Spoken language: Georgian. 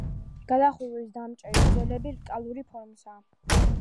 გადახურვის დამჭერი ძელები რკალური ფორმისაა.